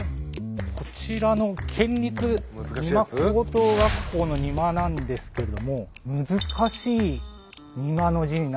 こちらの県立邇摩高等学校の邇摩なんですけれども難しい邇摩の字になってますね。